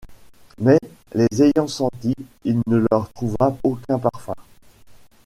Mais les ayant senties, il ne leur trouva aucun parfum.